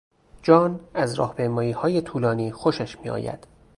جان از راهپیماییهای طولانی خوشش می آید.